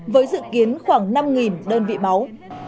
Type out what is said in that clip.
với dự kiến khoảng năm đơn vị máu